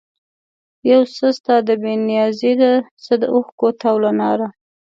یو څه ستا د بې نیازي ده، څه د اوښکو تاو له ناره